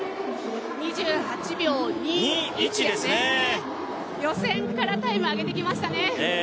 ２８秒２１ですね、予選からタイムを上げてきましたね。